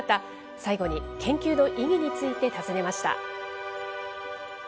最後に研究の意義について尋ねました。